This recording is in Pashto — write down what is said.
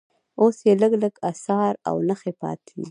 اوس یې لږ لږ اثار او نښې پاتې دي.